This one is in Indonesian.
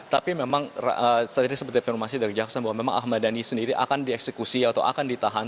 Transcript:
tapi memang saat ini seperti informasi dari kejaksaan bahwa memang ahmad dhani sendiri akan dieksekusi atau akan ditahan